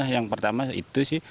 yang pertama itu sih